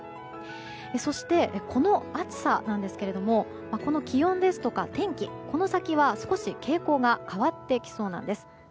そして、この暑さなんですが気温ですとか天気この先は少し傾向が変わってきそうなんです。